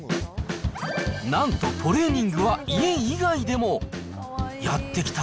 なんと、トレーニングは家以外でも。